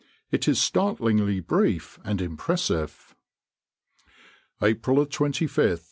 It is startlingly brief and impressive: April 25, 1848.